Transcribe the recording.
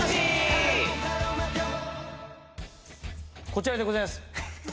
こちらでございます。